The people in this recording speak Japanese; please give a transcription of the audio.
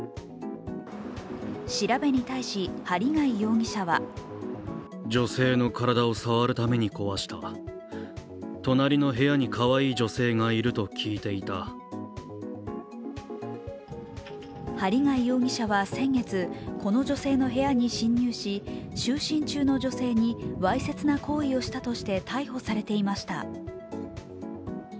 調べに対し針谷容疑者は針谷容疑者は先月この女性の部屋に侵入し、就寝中の女性にわいせつな行為をしたとして逮捕されていました。